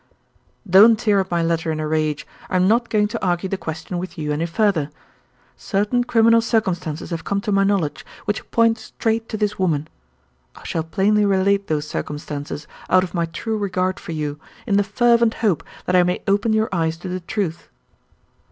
"Don't tear up my letter in a rage; I am not going to argue the question with you any further. Certain criminal circumstances have come to my knowledge, which point straight to this woman. I shall plainly relate those circumstances, out of my true regard for you, in the fervent hope that I may open your eyes to the truth.